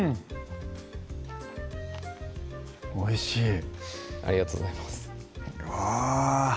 おいしいありがとうございますうわ